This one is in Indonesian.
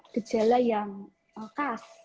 gejala yang khas